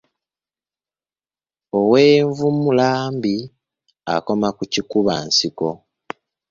Ow’envumula mbi akoma ku kikuba nsiko.